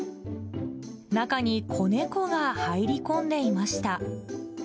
中に子猫が入り込んでいました。